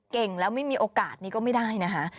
เก่งแล้วไม่มีโอกาสนี้ก็ไม่ได้นะคะ